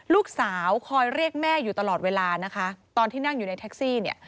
ลูกสาวคอยเรียกแม่อยู่ตลอดเวลานะคะตอนที่นั่งอยู่ในแท็กซี่เนี่ย